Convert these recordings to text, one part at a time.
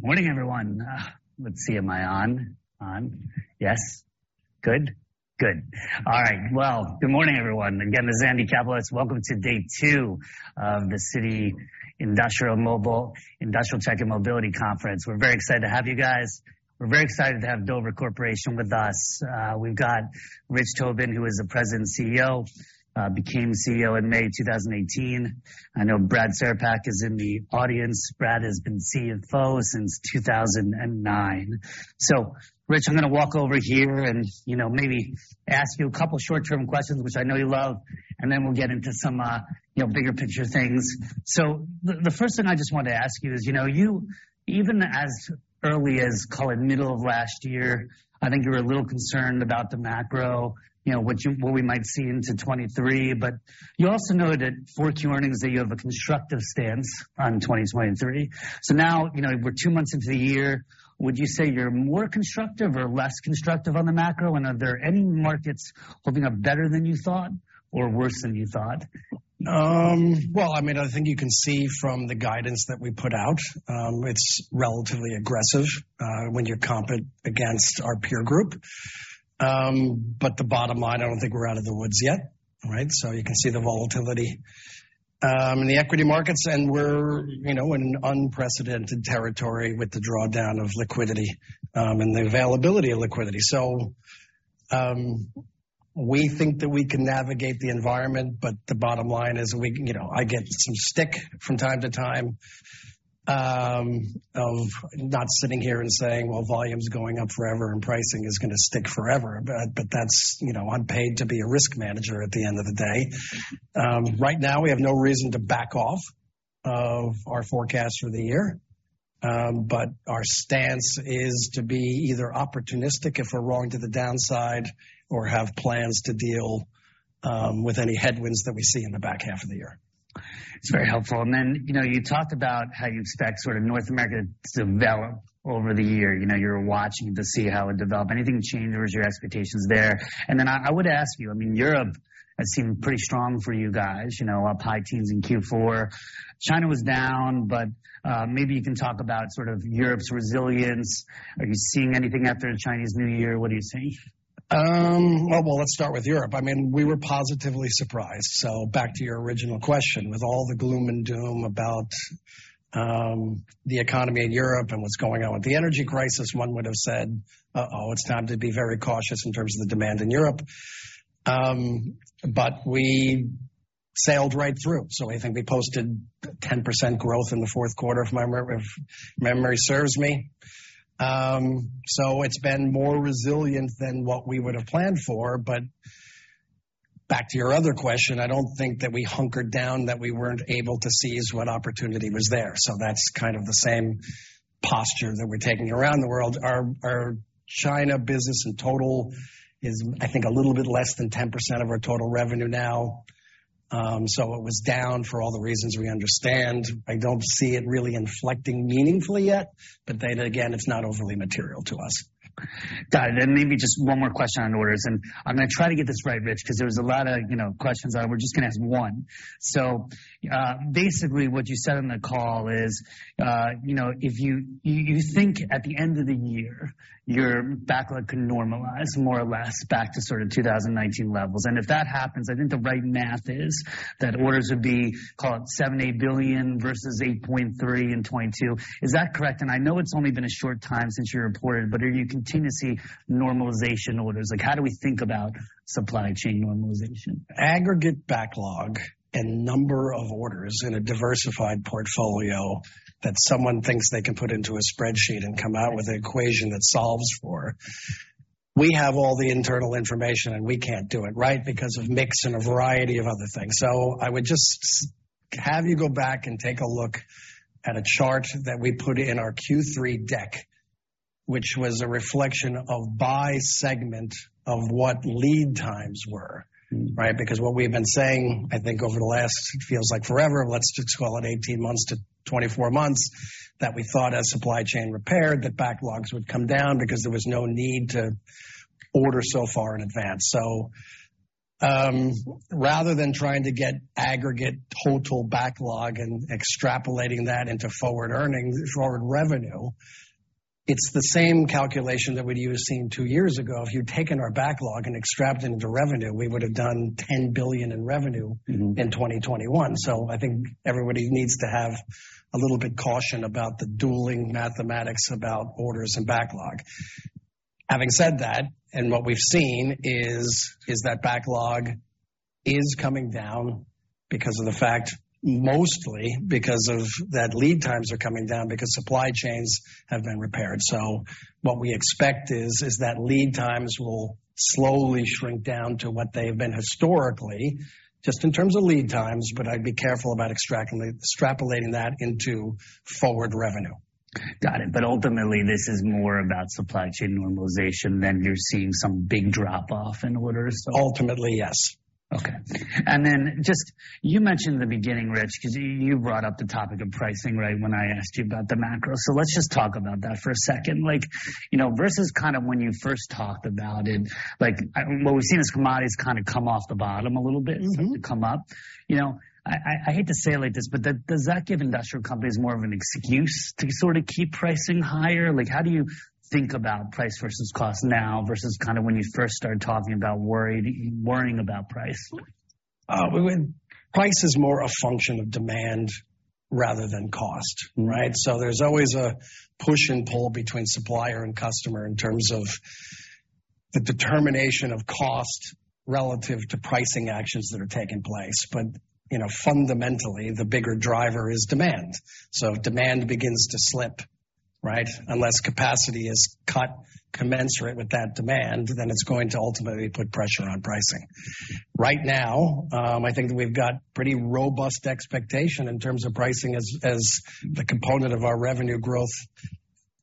Good morning, everyone. Let's see. Am I on? On. Yes. Good? Good. All right. Good morning, everyone. Again, this is Andy Kaplowitz. Welcome to day two of the Citi Industrial Tech and Mobility Conference. We're very excited to have you guys. We're very excited to have Dover Corporation with us. We've got Richard J. Tobin, who is the President CEO, became CEO in May 2018. I know Brad Cerepak is in the audience. Brad has been CFO since 2009. Rich, I'm gonna walk over here and, you know, maybe ask you a couple short-term questions, which I know you love, and then we'll get into some, you know, bigger picture things. The first thing I just wanted to ask you is, you know, even as early as, call it, middle of last year, I think you were a little concerned about the macro, you know, what we might see into 2023. You also noted 4-Q earnings that you have a constructive stance on 2023. Now, you know, we're two months into the year, would you say you're more constructive or less constructive on the macro? Are there any markets holding up better than you thought or worse than you thought? Well, I mean, I think you can see from the guidance that we put out, it's relatively aggressive, when you're comped against our peer group. The bottom line, I don't think we're out of the woods yet, right? You can see the volatility in the equity markets, and we're, you know, in unprecedented territory with the drawdown of liquidity, and the availability of liquidity. We think that we can navigate the environment, but the bottom line is. You know, I get some stick from time to time, of not sitting here and saying, "Well, volume's going up forever and pricing is gonna stick forever." That's, you know, I'm paid to be a risk manager at the end of the day. Right now, we have no reason to back off of our forecast for the year. Our stance is to be either opportunistic if we're wrong to the downside or have plans to deal with any headwinds that we see in the back half of the year. It's very helpful. Then, you know, you talked about how you expect sort of North America to develop over the year. You know, you're watching to see how it developed. Anything change or is your expectations there? Then I would ask you, I mean Europe has seemed pretty strong for you guys, you know, up high teens in Q4. China was down, but maybe you can talk about sort of Europe's resilience. Are you seeing anything after Chinese New Year? What are you seeing? Well, let's start with Europe. I mean, we were positively surprised. Back to your original question, with all the gloom and doom about the economy in Europe and what's going on with the energy crisis, one would have said, "Uh-oh, it's time to be very cautious in terms of the demand in Europe." But we sailed right through. I think we posted 10% growth in the Q4, if memory serves me. So it's been more resilient than what we would have planned for. But back to your other question, I don't think that we hunkered down, that we weren't able to seize what opportunity was there. That's kind of the same posture that we're taking around the world. Our China business in total is, I think, a little bit less than 10% of our total revenue now. It was down for all the reasons we understand. I don't see it really inflecting meaningfully yet, but then again, it's not overly material to us. Got it. Maybe just one more question on orders, and I'm going to try to get this right, Rich, 'cause there was a lot of, you know, questions. We're just going to ask one. Basically what you said on the call is, you know, if you think at the end of the year your backlog could normalize more or less back to sort of 2019 levels. If that happens, I think the right math is that orders would be, call it $7 billion-$8 billion versus $8.3 billion in 2022. Is that correct? I know it's only been a short time since you reported, but are you continuing to see normalization orders? Like how do we think about supply chain normalization? Aggregate backlog and number of orders in a diversified portfolio that someone thinks they can put into a spreadsheet and come out with an equation that solves for. We have all the internal information, and we can't do it, right, because of mix and a variety of other things. I would just have you go back and take a look at a chart that we put in our Q3 deck, which was a reflection of by segment of what lead times were, right? What we've been saying, I think over the last, it feels like forever, let's just call it 18 months to 24 months, that we thought as supply chain repaired, that backlogs would come down because there was no need to order so far in advance. Rather than trying to get aggregate total backlog and extrapolating that into forward revenue, it's the same calculation that would you have seen two years ago. If you'd taken our backlog and extrapolated into revenue, we would have done $10 billion in revenue in 2021. I think everybody needs to have a little bit caution about the dueling mathematics about orders and backlog. Having said that, and what we've seen is that backlog is coming down mostly because of that lead times are coming down because supply chains have been repaired. What we expect is that lead times will slowly shrink down to what they have been historically, just in terms of lead times, but I'd be careful about extrapolating that into forward revenue. Got it. Ultimately, this is more about supply chain normalization than you're seeing some big drop off in orders? Ultimately, yes. You mentioned in the beginning, Rich, because you brought up the topic of pricing, right, when I asked you about the macro. Let's just talk about that for a second. Like, you know, versus kind of when you first talked about it, like what we've seen as commodities kind of come off the bottom a little bit and stuff to come up. You know, I hate to say it like this, but does that give industrial companies more of an excuse to sort of keep pricing higher? Like, how do you think about price versus cost now versus kind of when you first started talking about worrying about price? Price is more a function of demand rather than cost, right? There's always a push and pull between supplier and customer in terms of the determination of cost relative to pricing actions that are taking place. You know, fundamentally, the bigger driver is demand. If demand begins to slip, right, unless capacity is cut commensurate with that demand, then it's going to ultimately put pressure on pricing. Right now, I think we've got pretty robust expectation in terms of pricing as the component of our revenue growth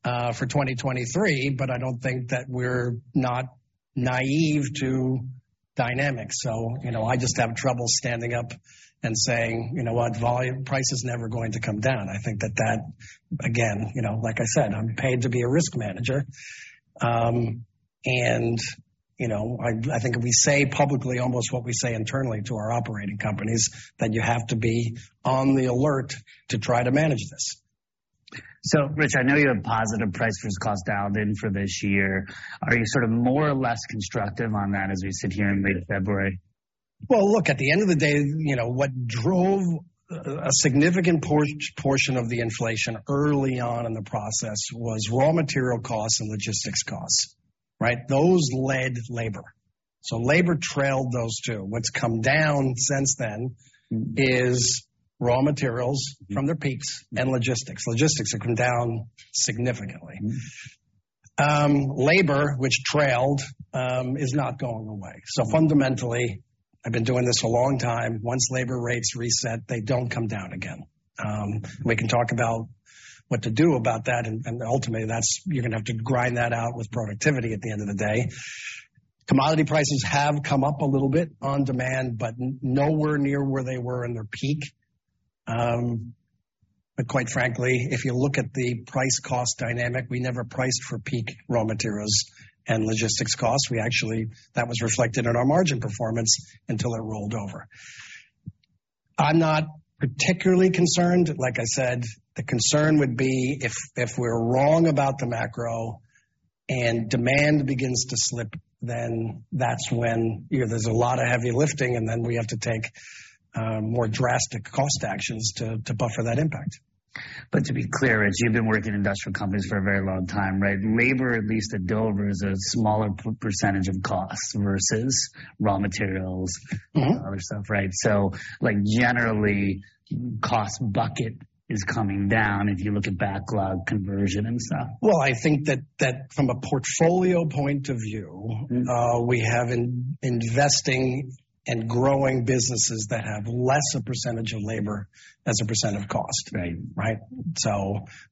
for 2023, but I don't think that we're not naive to dynamics. You know, I just have trouble standing up and saying, "You know what? Volume, price is never going to come down." I think that again, you know, like I said, I'm paid to be a risk manager. You know, I think if we say publicly almost what we say internally to our operating companies, then you have to be on the alert to try to manage this. Rich, I know you have positive price versus cost dialed in for this year. Are you sort of more or less constructive on that as we sit here in mid-February? Well, look, at the end of the day, you know, what drove a significant portion of the inflation early on in the process was raw material costs and logistics costs, right? Those led labor. Labor trailed those two. What's come down since then is raw materials from their peaks and logistics. Logistics have come down significantly. Labor, which trailed, is not going away. Fundamentally, I've been doing this a long time. Once labor rates reset, they don't come down again. We can talk about what to do about that, and ultimately that's you're gonna have to grind that out with productivity at the end of the day. Commodity prices have come up a little bit on demand, but nowhere near where they were in their peak. Quite frankly, if you look at the price cost dynamic, we never priced for peak raw materials and logistics costs. We actually that was reflected in our margin performance until it rolled over. I'm not particularly concerned. Like I said, the concern would be if we're wrong about the macro and demand begins to slip, then that's when, you know, there's a lot of heavy lifting, and then we have to take more drastic cost actions to buffer that impact. To be clear, Rich, you've been working in industrial companies for a very long time, right? Labor, at least at Dover, is a smaller percentage of costs versus raw materials. Other stuff, right? Like, generally, cost bucket is coming down if you look at backlog conversion and stuff. Well, I think that from a portfolio point of view. We have investing and growing businesses that have less a percentage of labor as a percent of cost. Right. Right?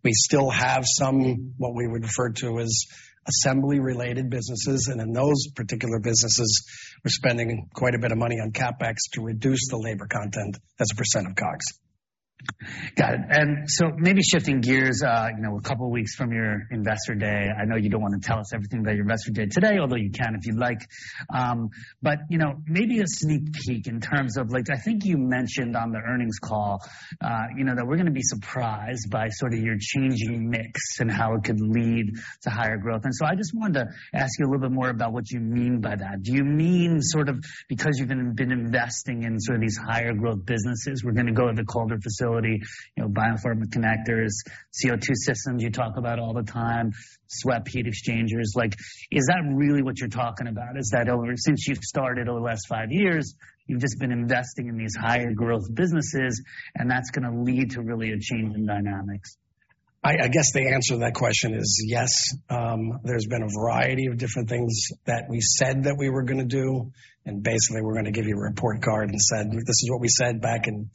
We still have some, what we would refer to as assembly-related businesses. In those particular businesses, we're spending quite a bit of money on CapEx to reduce the labor content as a percent of COGS. Got it. Maybe shifting gears, you know, a couple of weeks from your investor day. I know you don't want to tell us everything about your investor day today, although you can if you'd like. You know, maybe a sneak peek in terms of like, I think you mentioned on the earnings call, you know, that we're gonna be surprised by sort of your changing mix and how it could lead to higher growth. I just wanted to ask you a little bit more about what you mean by that. Do you mean sort of because you've been investing in sort of these higher growth businesses, we're gonna go to the Colder facility, you know, Biopharma Connectors, CO2 systems you talk about all the time, SWEP heat exchangers, like, is that really what you're talking about? Is that since you've started over the last five years, you've just been investing in these higher growth businesses, and that's gonna lead to really a change in dynamics. I guess the answer to that question is yes. There's been a variety of different things that we said that we were gonna do. Basically, we're gonna give you a report card and said, "This is what we said back in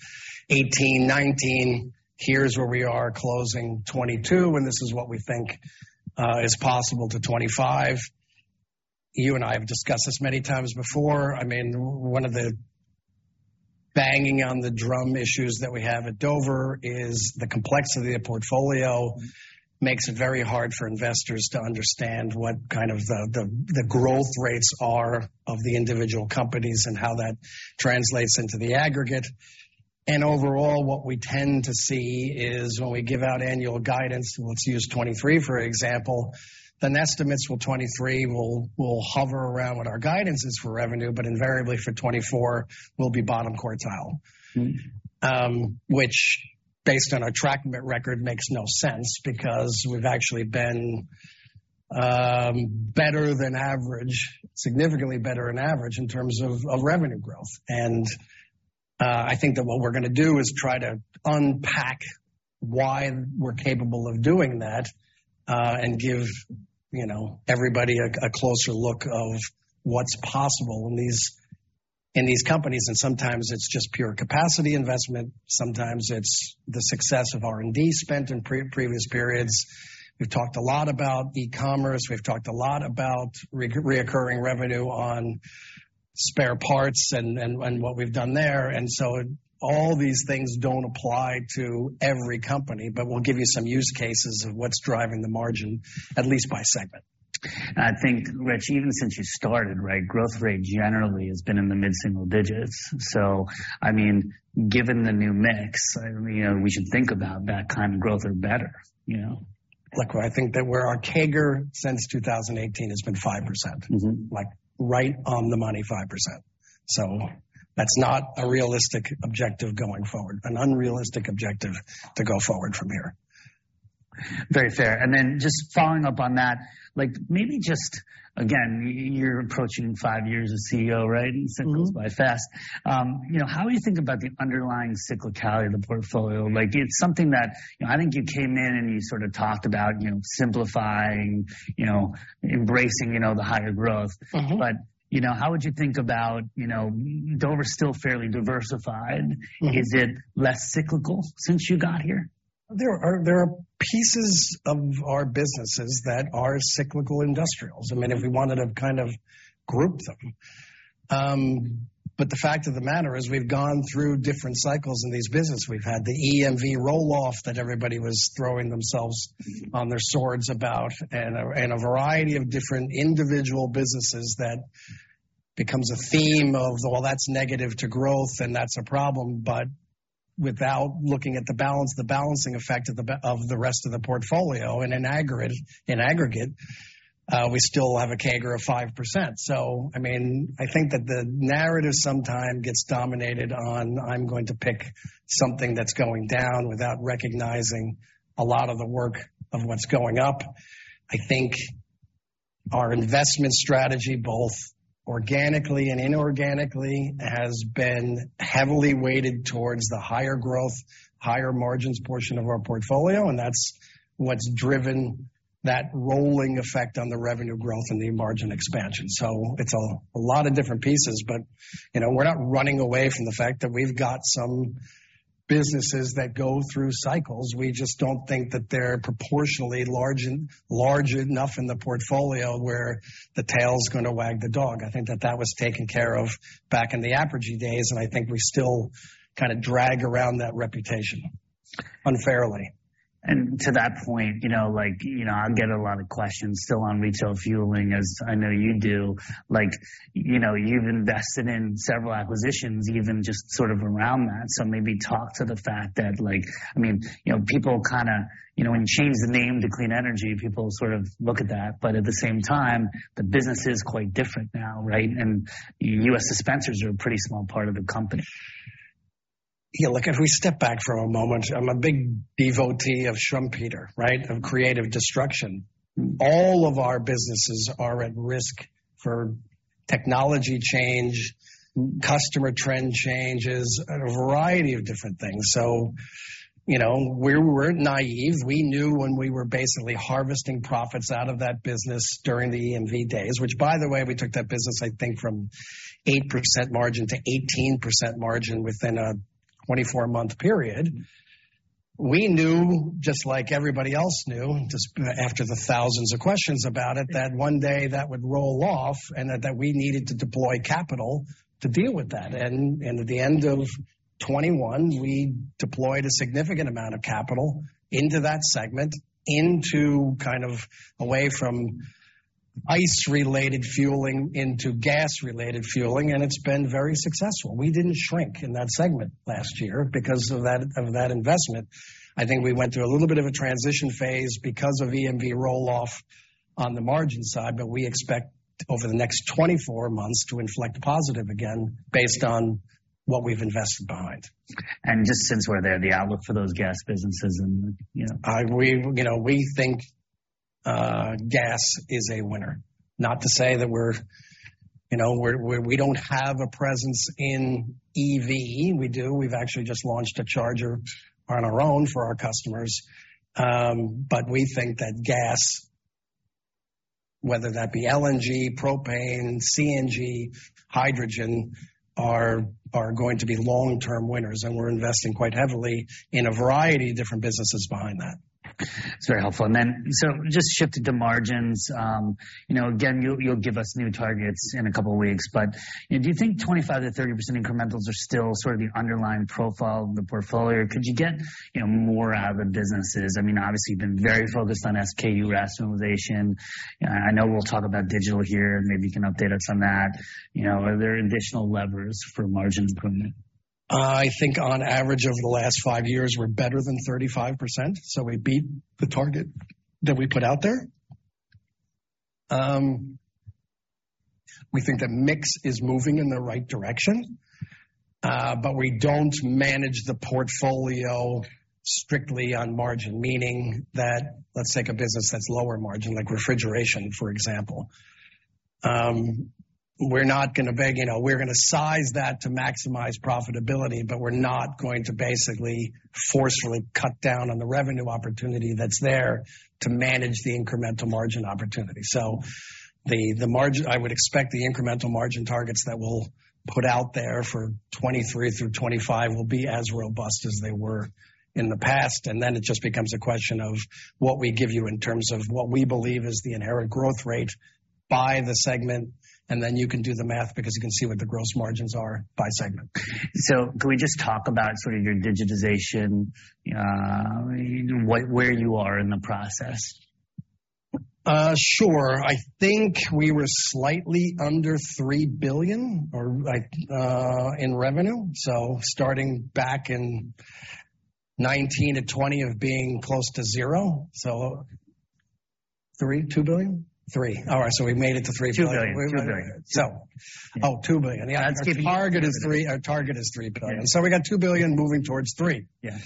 2018, 2019. Here's where we are closing 2022, and this is what we think is possible to 2025." You and I have discussed this many times before. I mean, one of the banging on the drum issues that we have at Dover is the complexity of portfolio makes it very hard for investors to understand what kind of the growth rates are of the individual companies and how that translates into the aggregate. Overall, what we tend to see is when we give out annual guidance, let's use 2023, for example, then estimates for 2024 will hover around what our guidance is for revenue, but invariably for 2024 will be bottom quartile. Which based on our track record makes no sense because we've actually been better than average, significantly better than average in terms of revenue growth. I think that what we're gonna do is try to unpack why we're capable of doing that and give, you know, everybody a closer look of what's possible in these companies. Sometimes it's just pure capacity investment, sometimes it's the success of R&D spent in previous periods. We've talked a lot about e-commerce. We've talked a lot about reoccurring revenue on spare parts and what we've done there. All these things don't apply to every company. But we'll give you some use cases of what's driving the margin, at least by segment. I think, Rich, even since you started, right? Growth rate generally has been in the mid-single digits. I mean, given the new mix, you know, we should think about that kind of growth or better, you know. Look, I think that where our CAGR since 2018 has been 5%. Like right on the money, 5%. That's not a realistic objective going forward. An unrealistic objective to go forward from here. Very fair. Just following up on that, like maybe just again, you're approaching five years as CEO, right? It goes by fast. you know, how you think about the underlying cyclicality of the portfolio. Like it's something that, you know, I think you came in and you sort of talked about, you know, simplifying, you know, embracing, you know, the higher growth You know, how would you think about, you know, Dover's still fairly diversified. Is it less cyclical since you got here? There are pieces of our businesses that are cyclical industrials. I mean, if we wanted to kind of group them. The fact of the matter is we've gone through different cycles in this business. We've had the EMV roll-off that everybody was throwing themselves on their swords about and a variety of different individual businesses that becomes a theme of, well, that's negative to growth and that's a problem. Without looking at the balancing effect of the rest of the portfolio, and in aggregate, we still have a CAGR of 5%. I mean, I think that the narrative sometime gets dominated on, I'm going to pick something that's going down without recognizing a lot of the work of what's going up. I think our investment strategy, both organically and inorganically, has been heavily weighted towards the higher growth, higher margins portion of our portfolio, and that's what's driven that rolling effect on the revenue growth and the margin expansion. It's a lot of different pieces. You know, we're not running away from the fact that we've got some businesses that go through cycles. We just don't think that they're proportionally large enough in the portfolio where the tail's gonna wag the dog. I think that that was taken care of back in the Apergy days, and I think we still kind of drag around that reputation unfairly. To that point, you know, like, you know, I get a lot of questions still on retail fueling, as I know you do. You know, you've invested in several acquisitions, even just sort of around that. Maybe talk to the fact that like, I mean, you know, people kinda, you know, when you change the name to Clean Energy, people sort of look at that, but at the same time, the business is quite different now, right? US dispensers are a pretty small part of the company. Yeah, look, if we step back for a moment, I'm a big devotee of Schumpeter, right? Of creative destruction. All of our businesses are at risk for technology change, customer trend changes, a variety of different things. You know, we're naive. We knew when we were basically harvesting profits out of that business during the EMV days, which by the way, we took that business, I think from 8% margin to 18% margin within a 24-month period. We knew, just like everybody else knew, just after the thousands of questions about it, that one day that would roll off and that we needed to deploy capital to deal with that. At the end of 2021, we deployed a significant amount of capital into that segment, into kind of away from ICE-related fueling into gas-related fueling, and it's been very successful. We didn't shrink in that segment last year because of that, of that investment. I think we went through a little bit of a transition phase because of EMV roll-off on the margin side, but we expect over the next 24 months to inflect positive again based on what we've invested behind. Just since we're there, the outlook for those gas businesses and, you know. We, you know, we think gas is a winner. Not to say that we're, you know, we don't have a presence in EV. We do. We've actually just launched a charger on our own for our customers. We think that gas, whether that be LNG, propane, CNG, hydrogen, are going to be long-term winners, and we're investing quite heavily in a variety of different businesses behind that. It's very helpful. Just shift to the margins. You know, again, you'll give us new targets in a couple of weeks, you know, do you think 25%-30% incrementals are still sort of the underlying profile of the portfolio? Could you get, you know, more out of the businesses? I mean, obviously, you've been very focused on SKU rationalization. I know we'll talk about digital here, and maybe you can update us on that. You know, are there additional levers for margin improvement? I think on average, over the last five years, we're better than 35%, so we beat the target that we put out there. We think the mix is moving in the right direction, but we don't manage the portfolio strictly on margin. Meaning that let's take a business that's lower margin, like refrigeration, for example. We're not gonna beg, you know, we're gonna size that to maximize profitability, but we're not going to basically forcefully cut down on the revenue opportunity that's there to manage the incremental margin opportunity. The margin I would expect the incremental margin targets that we'll put out there for 2023 through 2025 will be as robust as they were in the past. It just becomes a question of what we give you in terms of what we believe is the inherent growth rate by the segment, and then you can do the math because you can see what the gross margins are by segment. Can we just talk about sort of your digitization, where you are in the process? Sure. I think we were slightly under $3 billion in revenue. Starting back in 2019-2020 of being close to 0. $3 billion, $2 billion? Three. All right, we made it to $3 billion. $2 billion. Oh, $2 billion. Yeah. Our target is $3 billion. We got $2 billion moving towards $3 billion. Yeah.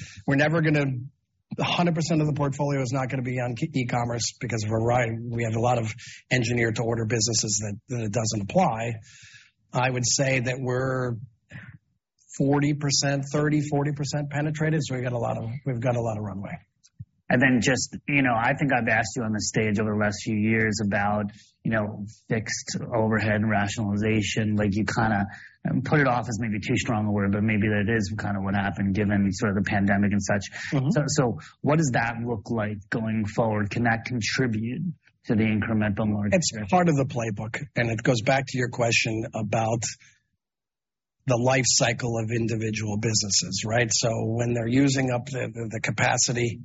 100% of the portfolio is not going to be on e-commerce because of a variety. We have a lot of engineer to order businesses that it doesn't apply. I would say that we're 30%-40% penetrated, we've got a lot of runway. Just, you know, I think I've asked you on this stage over the last few years about, you know, fixed overhead rationalization. Like, you kinda put it off as maybe too strong a word, but maybe that is kind of what happened given sort of the pandemic and such. What does that look like going forward? Can that contribute to the incremental margin? It's part of the playbook. It goes back to your question about the life cycle of individual businesses, right? When they're using up the capacity,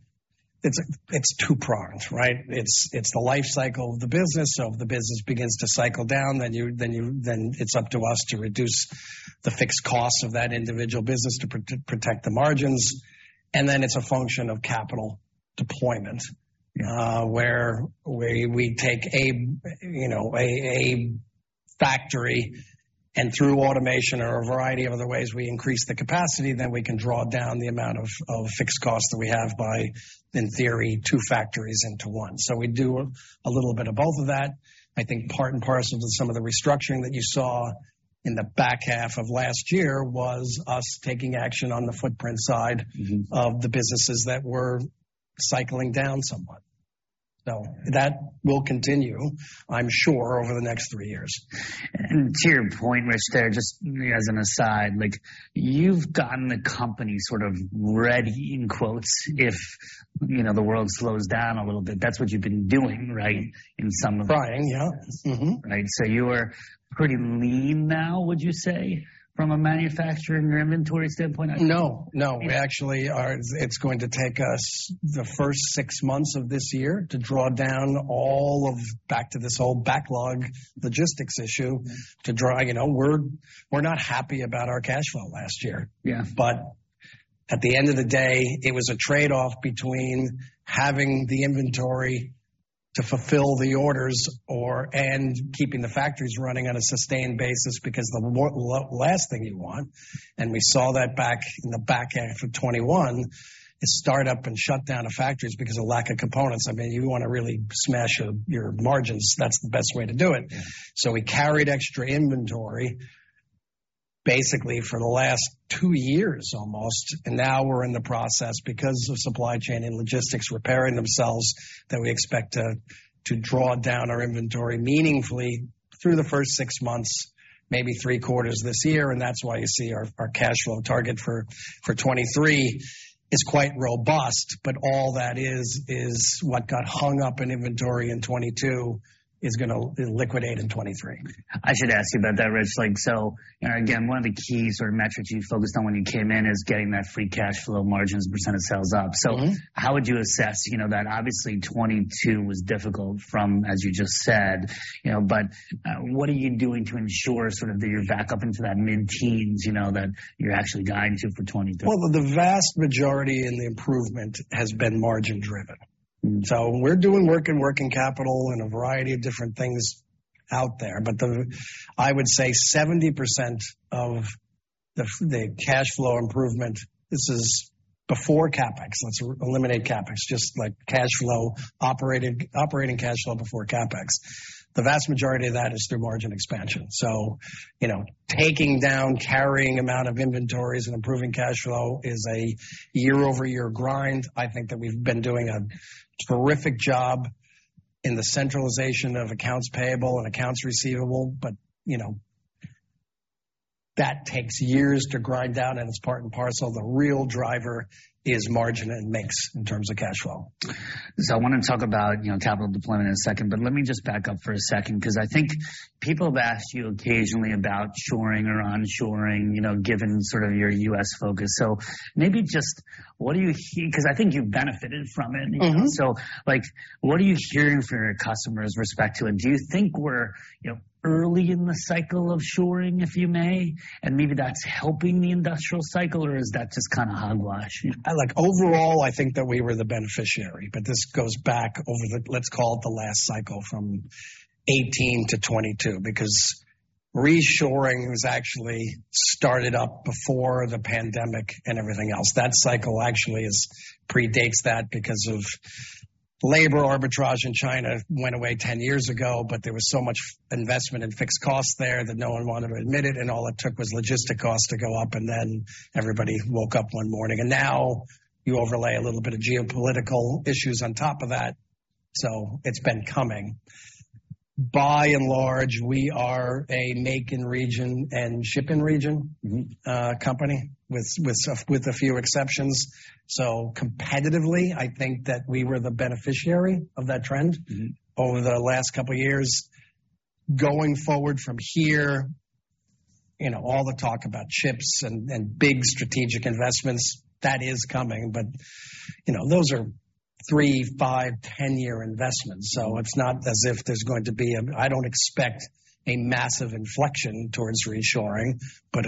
it's two-pronged, right? It's the life cycle of the business. If the business begins to cycle down, then it's up to us to reduce the fixed costs of that individual business to protect the margins. Then it's a function of capital deployment, where we take a, you know, a factory, and through automation or a variety of other ways, we increase the capacity. We can draw down the amount of fixed costs that we have by, in theory, two factories into one. We do a little bit of both of that. I think part and parcel to some of the restructuring that you saw in the back half of last year was us taking action on the footprint side .Of the businesses that were cycling down somewhat. That will continue, I'm sure, over the next three years. To your point, Rich, there just as an aside, like you've gotten the company sort of ready, in quotes, if, you know, the world slows down a little bit. That's what you've been doing, right, in some of the- Right. Yeah. Right. You are pretty lean now, would you say, from a manufacturing or inventory standpoint? No, no. We actually are. It's going to take us the first six months of this year to draw down all of back to this whole backlog logistics issue to draw, you know. We're not happy about our cash flow last year. Yeah. At the end of the day, it was a trade-off between having the inventory to fulfill the orders or, and keeping the factories running on a sustained basis. The last thing you want, and we saw that back in the back half of 2021, is start up and shut down of factories because of lack of components. I mean, you want to really smash your margins. That's the best way to do it. We carried extra inventory basically for the last two years almost, and now we're in the process because of supply chain and logistics repairing themselves that we expect to draw down our inventory meaningfully through the first six months, maybe three quarters this year. That's why you see our cash flow target for 2023 is quite robust. All that is what got hung up in inventory in 2022 is gonna liquidate in 2023. I should ask you about that, Rich. Like, so again, one of the key sort of metrics you focused on when you came in is getting that free cash flow margins % of sales up. How would you assess, you know, that obviously 2022 was difficult from, as you just said, you know. What are you doing to ensure sort of that you're back up into that mid-teens%, you know, that you're actually guiding to for 2022? The vast majority in the improvement has been margin-driven. We're doing work in working capital in a variety of different things out there. I would say 70% of the cash flow improvement, this is before CapEx. Let's eliminate CapEx, just like operating cash flow before CapEx. The vast majority of that is through margin expansion. You know, taking down carrying amount of inventories and improving cash flow is a year-over-year grind. I think that we've been doing a terrific job in the centralization of accounts payable and accounts receivable. You know, that takes years to grind down, and it's part and parcel. The real driver is margin and mix in terms of cash flow. I want to talk about, you know, capital deployment in a second, but let me just back up for a second because I think people have asked you occasionally about shoring or on shoring, you know, given sort of your US focus. Maybe just what do you hear? Because I think you've benefited from it. Like, what are you hearing from your customers respect to it? Do you think we're, you know, early in the cycle of shoring, if you may, and maybe that's helping the industrial cycle, or is that just kind of hogwash? Overall, I think that we were the beneficiary, this goes back over the, let's call it the last cycle from 18 to 22, because reshoring was actually started up before the pandemic and everything else. That cycle actually predates that because of labor arbitrage in China went away ten years ago, but there was so much investment in fixed costs there that no one wanted to admit it, and all it took was logistic costs to go up, and then everybody woke up one morning. Now you overlay a little bit of geopolitical issues on top of that. It's been coming. By and large, we are a make in region and ship in region company with a few exceptions. Competitively, I think that we were the beneficiary of that trend over the last couple of years. Going forward from here, you know, all the talk about ships and big strategic investments, that is coming. You know, those are three, five, ten-year investments. It's not as if there's going to be I don't expect a massive inflection towards reshoring, but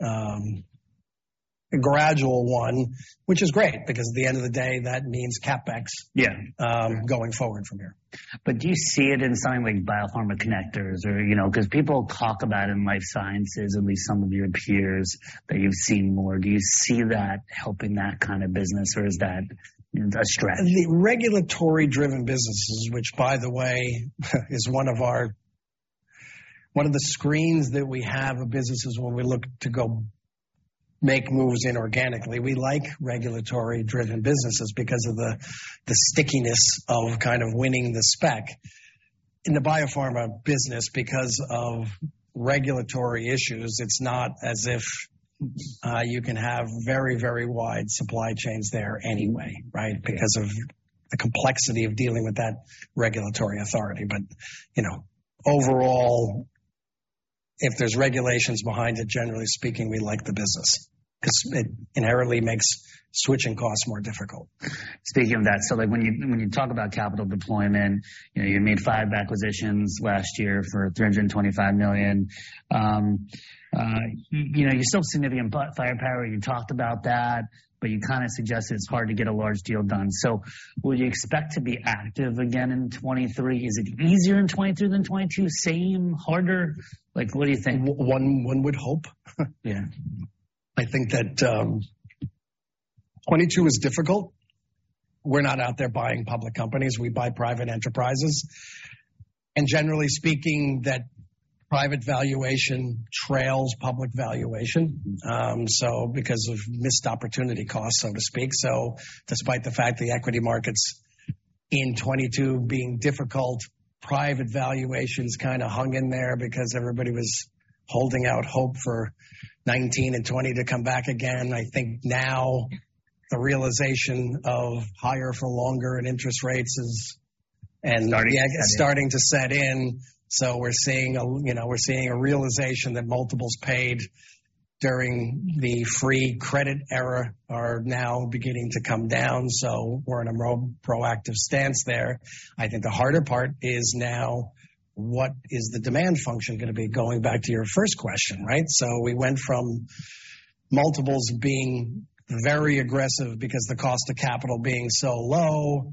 a gradual one, which is great, because at the end of the day, that means CapEx Yeah. Going forward from here. Do you see it in something like Biopharma Connectors or, you know, because people talk about in life sciences, at least some of your peers, that you've seen more. Do you see that helping that kind of business, or is that a stretch? The regulatory-driven businesses, which, by the way, is one of our one of the screens that we have of businesses when we look to go make moves inorganically. We like regulatory-driven businesses because of the stickiness of kind of winning the spec. In the biopharma business, because of regulatory issues, it's not as if you can have very, very wide supply chains there anyway, right? Because of the complexity of dealing with that regulatory authority. You know, overall, if there's regulations behind it, generally speaking, we like the business 'cause it inherently makes switching costs more difficult. Speaking of that, like, when you, when you talk about capital deployment, you know, you made five acquisitions last year for $325 million. You know, you still have significant firepower. You talked about that, but you kinda suggested it's hard to get a large deal done. Will you expect to be active again in 2023? Is it easier in 2023 than 2022? Same? Harder? Like, what do you think? One would hope. Yeah. I think that 2022 is difficult. We're not out there buying public companies. We buy private enterprises. Generally speaking, that private valuation trails public valuation because of missed opportunity costs, so to speak. Despite the fact the equity markets in 2022 being difficult, private valuations kinda hung in there because everybody was holding out hope for 2019 and 2020 to come back again. I think now the realization of higher for longer in interest rates is starting to set in. We're seeing a, you know, we're seeing a realization that multiples paid during the free credit era are now beginning to come down. We're in a pro-proactive stance there. I think the harder part is now what is the demand function gonna be, going back to your first question, right? We went from multiples being very aggressive because the cost of capital being so low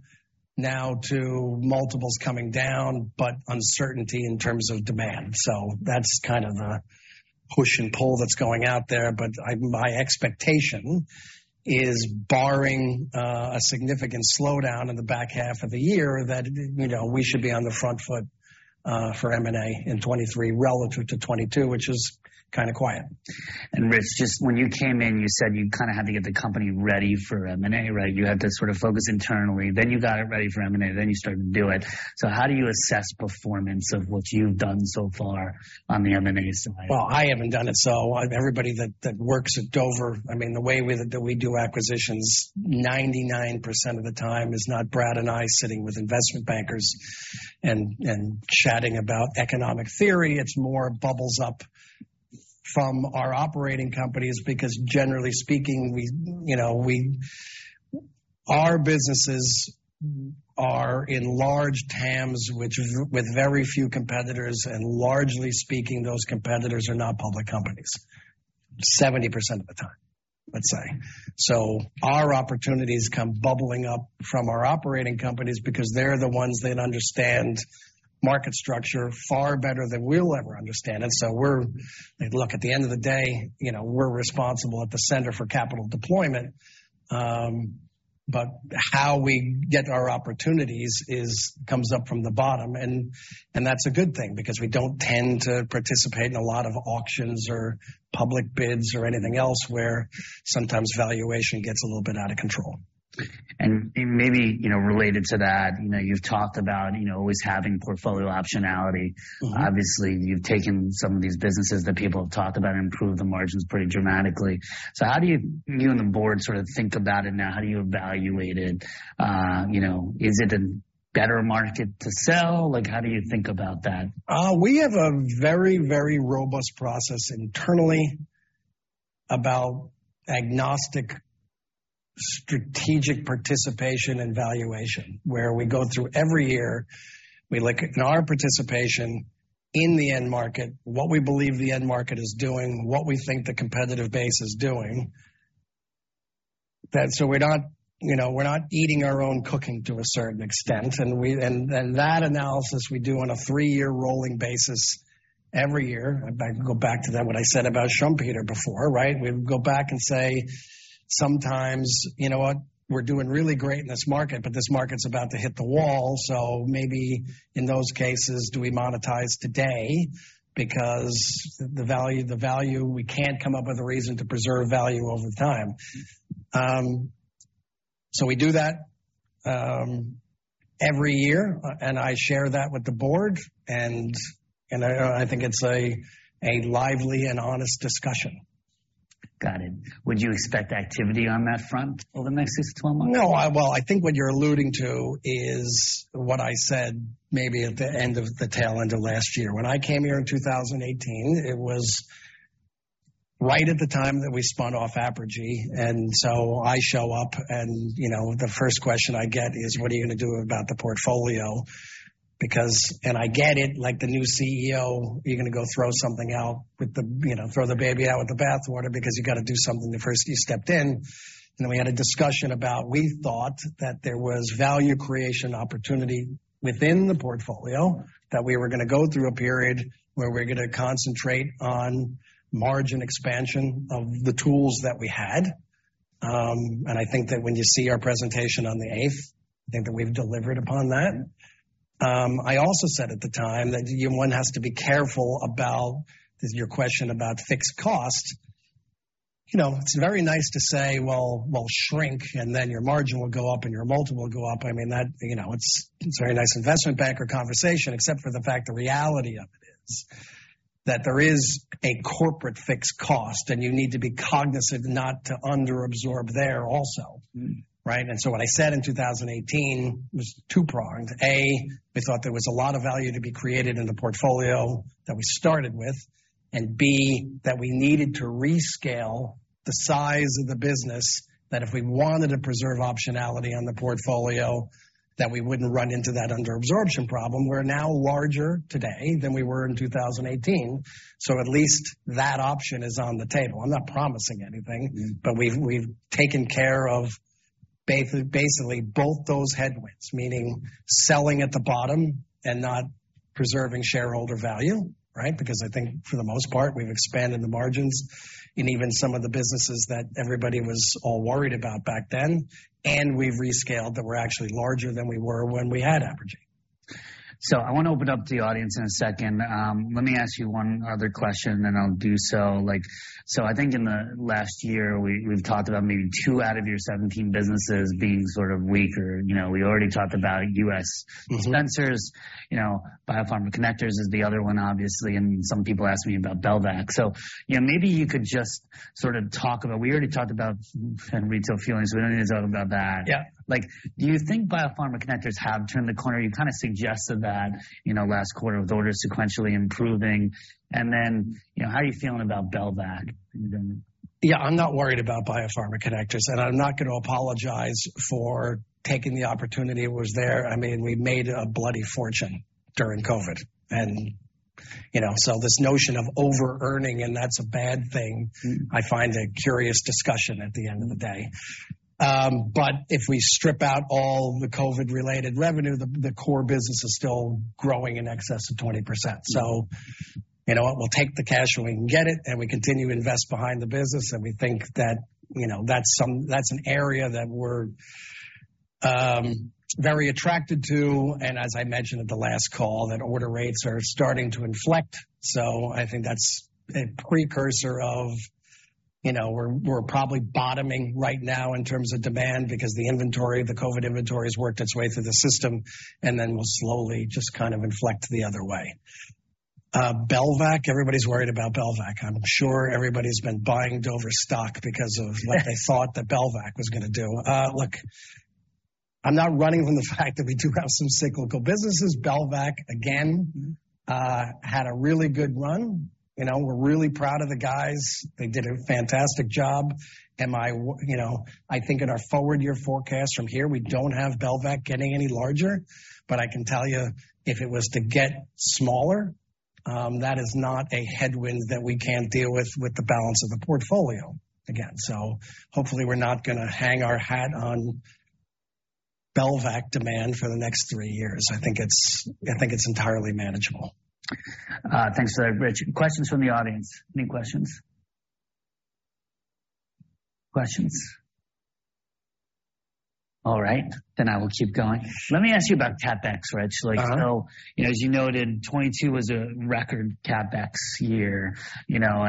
now to multiples coming down, but uncertainty in terms of demand. That's kind of a push and pull that's going out there. My expectation is barring a significant slowdown in the back half of the year, that, you know, we should be on the front foot for M&A in 23 relative to 22, which is kinda quiet. Rich, just when you came in, you said you kinda had to get the company ready for M&A, right? You had to sort of focus internally, then you got it ready for M&A, then you started to do it. How do you assess performance of what you've done so far on the M&A side? I haven't done it, everybody that works at Dover, I mean, the way we do acquisitions 99% of the time is not Brad and I sitting with investment bankers and chatting about economic theory. It's more bubbles up from our operating companies because generally speaking, we, you know, our businesses are in large TAMS, which is with very few competitors, and largely speaking, those competitors are not public companies 70% of the time, let's say. Our opportunities come bubbling up from our operating companies because they're the ones that understand market structure far better than we'll ever understand. We look, at the end of the day, you know, we're responsible at the Center for Capital Deployment, but how we get our opportunities is, comes up from the bottom. That's a good thing because we don't tend to participate in a lot of auctions or public bids or anything else where sometimes valuation gets a little bit out of control. maybe, you know, related to that, you know, you've talked about, you know, always having portfolio optionality. Obviously, you've taken some of these businesses that people have talked about and improved the margins pretty dramatically. How do you and the board sort of think about it now? How do you evaluate it? you know, is it a better market to sell? Like, how do you think about that? We have a very, very robust process internally about agnostic strategic participation and valuation, where we go through every year, we look at our participation in the end market, what we believe the end market is doing, what we think the competitive base is doing. That so we're not, you know, we're not eating our own cooking to a certain extent. That analysis we do on a three-year rolling basis every year. If I can go back to that, what I said about Schumpeter before, right? We go back and say, sometimes, you know what, we're doing really great in this market, but this market's about to hit the wall. Maybe in those cases, do we monetize today because the value, we can't come up with a reason to preserve value over time. We do that, every year, and I share that with the board and I think it's a lively and honest discussion. Got it. Would you expect activity on that front over the next six to 12 months? No. Well, I think what you're alluding to is what I said maybe at the end of the tail end of last year. When I came here in 2018, it was right at the time that we spun off Apergy. I show up and, you know, the first question I get is, "What are you gonna do about the portfolio?" Because I get it, like, the new CEO, you're gonna go throw something out with the, you know, throw the baby out with the bathwater because you got to do something the first you stepped in. We had a discussion about we thought that there was value creation opportunity within the portfolio, that we were gonna go through a period where we're gonna concentrate on margin expansion of the tools that we had. I think that when you see our presentation on the eighth, I think that we've delivered upon that. I also said at the time that one has to be careful about your question about fixed cost. You know, it's very nice to say, "Well, we'll shrink, and then your margin will go up and your multiple will go up." I mean, that, you know, it's a very nice investment banker conversation, except for the fact the reality of it is that there is a corporate fixed cost, and you need to be cognizant not to under-absorb there also. Right? What I said in 2018 was two-pronged. A, we thought there was a lot of value to be created in the portfolio that we started with, and B, that we needed to rescale the size of the business, that if we wanted to preserve optionality on the portfolio, that we wouldn't run into that under-absorption problem. We're now larger today than we were in 2018, so at least that option is on the table. I'm not promising anything. We've taken care of basically both those headwinds, meaning selling at the bottom and not preserving shareholder value, right? Because I think for the most part, we've expanded the margins in even some of the businesses that everybody was all worried about back then, and we've rescaled that we're actually larger than we were when we had Apergy. I want to open up to the audience in a second. Let me ask you 1 other question, then I'll do so. I think in the last year, we've talked about maybe 2 out of your 17 businesses being sort of weaker. You know, we already talked about US dispensers. You know, Biopharma Connectors is the other one, obviously, and some people ask me about Belvac. You know, maybe you could just sort of talk about. We already talked about retail fueling. We don't need to talk about that. Yeah. Like, do you think Biopharma Connectors have turned the corner? You kind of suggested that, you know, last quarter with orders sequentially improving. You know, how are you feeling about Belvac? Yeah. I'm not worried about Biopharma Connectors, and I'm not gonna apologize for taking the opportunity that was there. I mean, we made a bloody fortune during COVID. You know, this notion of overearning and that's a bad thing. I find a curious discussion at the end of the day. If we strip out all the COVID-related revenue, the core business is still growing in excess of 20%. You know what? We'll take the cash when we can get it, we continue to invest behind the business, we think that, you know, that's an area that we're very attracted to. As I mentioned at the last call, that order rates are starting to inflect. I think that's a precursor of, you know, we're probably bottoming right now in terms of demand because the inventory, the COVID inventory has worked its way through the system then will slowly just kind of inflect the other way. Belvac. Everybody's worried about Belvac. I'm sure everybody's been buying Dover stock what they thought that Belvac was gonna do. Look, I'm not running from the fact that we do have some cyclical businesses. Belvac, again. had a really good run. You know, we're really proud of the guys. They did a fantastic job. You know, I think in our forward-year forecast from here, we don't have Belvac getting any larger. I can tell you if it was to get smaller, that is not a headwind that we can't deal with the balance of the portfolio again. Hopefully we're not gonna hang our hat on Belvac demand for the next three years. I think it's, I think it's entirely manageable. thanks for that, Rich. Questions from the audience. Any questions? Questions? All right. I will keep going. Let me ask you about CapEx, Rich. Uh-huh. Like, you know, as you noted, 2022 was a record CapEx year. You know,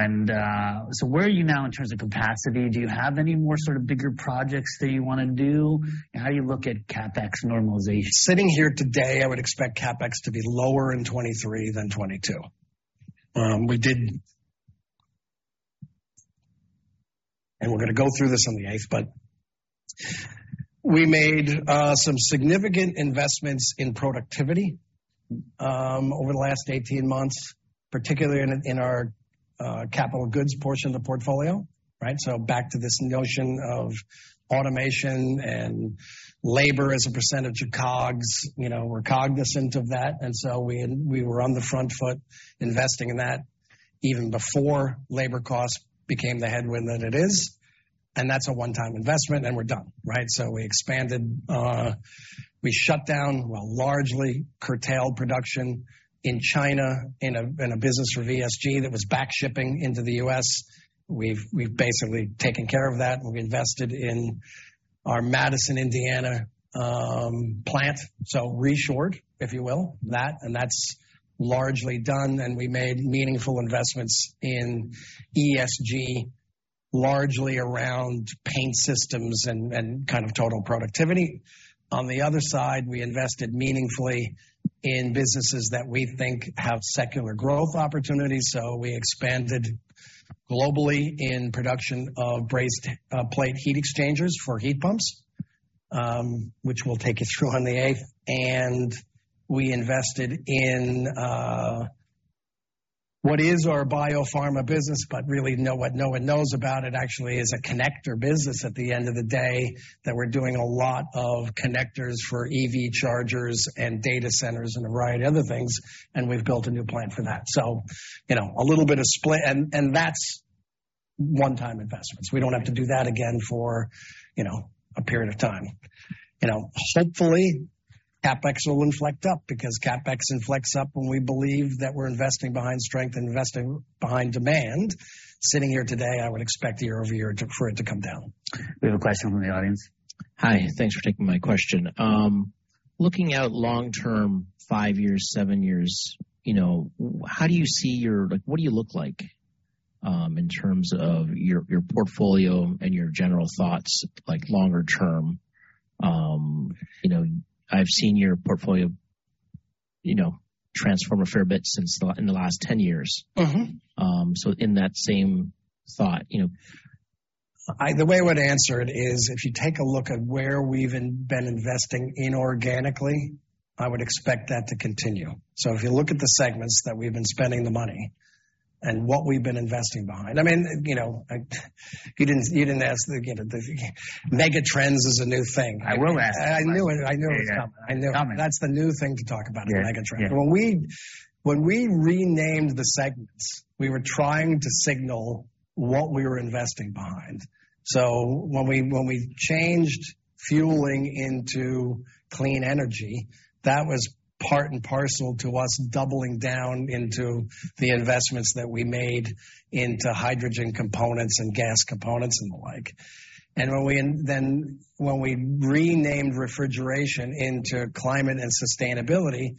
where are you now in terms of capacity? Do you have any more sort of bigger projects that you wanna do? How do you look at CapEx normalization? Sitting here today, I would expect CapEx to be lower in 2023 than 2022. We're gonna go through this on the 8th, but we made some significant investments in productivity over the last 18 months, particularly in our capital goods portion of the portfolio, right? Back to this notion of automation and labor as a percentage of COGS. You know, we're cognizant of that, we were on the front foot investing in that even before labor costs became the headwind that it is. That's a one-time investment, then we're done, right? We expanded, we shut down, well, largely curtailed production in China in a business for ESG that was back shipping into the US. We've basically taken care of that. We've invested in our Madison, Indiana, plant. Reshore, if you will. That's largely done, and we made meaningful investments in ESG. Largely around paint systems and kind of total productivity. On the other side, we invested meaningfully in businesses that we think have secular growth opportunities. We expanded globally in production of brazed plate heat exchangers for heat pumps, which we'll take you through on the eighth. We invested in what is our biopharma business, but really no one knows about it. Actually is a connector business at the end of the day, that we're doing a lot of connectors for EV chargers and data centers and a variety of other things, we've built a new plant for that. You know, a little bit of split. That's one-time investments. We don't have to do that again for, you know, a period of time. You know, hopefully, CapEx will inflect up because CapEx inflects up when we believe that we're investing behind strength and investing behind demand. Sitting here today, I would expect year-over-year for it to come down. We have a question from the audience. Hi. Thanks for taking my question. Looking out long-term, five years, seven years, you know, how do you see your... Like, what do you look like, in terms of your portfolio and your general thoughts, like longer term? You know, I've seen your portfolio, you know, transform a fair bit since the last ten years. In that same thought, you know. The way I would answer it is if you take a look at where we've been investing inorganically, I would expect that to continue. If you look at the segments that we've been spending the money and what we've been investing behind. I mean, you know, you didn't ask the, you know, the mega trends is a new thing. I will ask. I knew it. I knew it was coming. Yeah. I knew. Coming. That's the new thing to talk about, mega trends. Yeah. When we renamed the segments, we were trying to signal what we were investing behind. When we changed fueling into Clean Energy, that was part and parcel to us doubling down into the investments that we made into hydrogen components and gas components and the like. Then when we renamed refrigeration into Climate and Sustainability,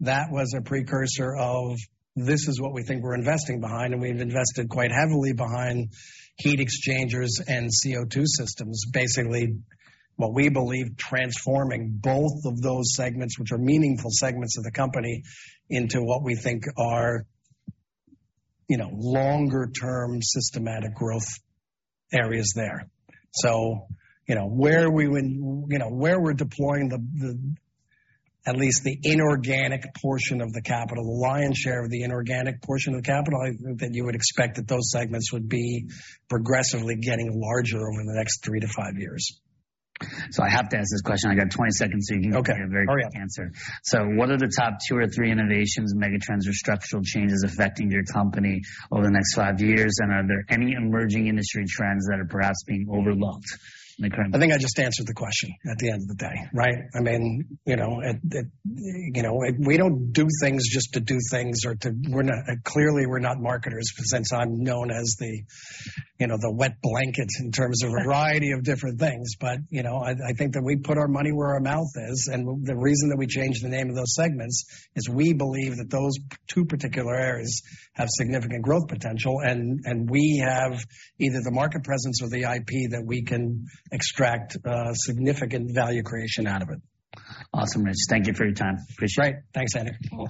that was a precursor of this is what we think we're investing behind, and we've invested quite heavily behind heat exchangers and CO2 systems. Basically, what we believe transforming both of those segments, which are meaningful segments of the company, into what we think are, you know, longer-term systematic growth areas there. You know, where we're deploying the at least the inorganic portion of the capital, the lion's share of the inorganic portion of the capital, I think that you would expect that those segments would be progressively getting larger over the next three to five years. I have to ask this question. I got 20 seconds, so you can give a very quick answer. Okay. Hurry up. What are the top two or three innovations, mega trends or structural changes affecting your company over the next five years? Are there any emerging industry trends that are perhaps being overlooked in the current? I think I just answered the question at the end of the day, right? I mean, you know, at, you know, we don't do things just to do things or to. Clearly, we're not marketers, since I'm known as the, you know, the wet blanket in terms of a variety of different things. You know, I think that we put our money where our mouth is, and the reason that we changed the name of those segments is we believe that those two particular areas have significant growth potential, and we have either the market presence or the IP that we can extract significant value creation out of it. Awesome, Rich. Thank you for your time. Appreciate it. Great. Thanks, Andy. Cool.